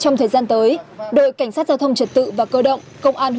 trong thời gian tới đội cảnh sát giao thông trực tiếp tục tăng cường tuần tra